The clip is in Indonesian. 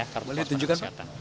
boleh ditunjukkan pak